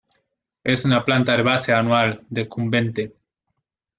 Es una planta herbácea anual; decumbente.